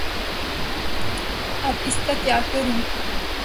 اب اس کا کیا کروں؟